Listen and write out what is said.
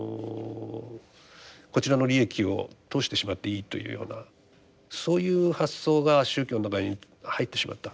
こちらの利益を通してしまっていいというようなそういう発想が宗教の中に入ってしまった。